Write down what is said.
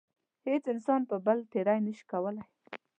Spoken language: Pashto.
هیڅ انسان پر بل تېرۍ نشي کولای.